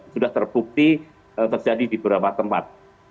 sudah terbukti terjadi di beberapa tempat